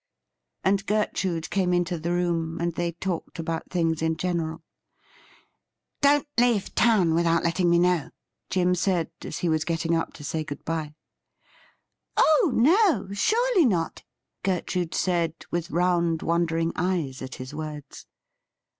And Gertrude came into the room, and they talked about things in general. ' Don't leave to^ra without letting me know,' Jim said, as he was getting up to say good bye. JIM IS AN UNWELCOME MESSENGER 209 ' Oh no ! surely not,' Gertrude said, with round wonder ing eyes at his words.